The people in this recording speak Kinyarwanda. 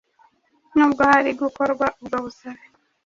Nubwo hari gukorwa ubwo busabe